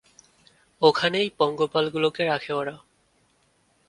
ওখানেই পঙ্গপালগুলোকে রাখে ওরা।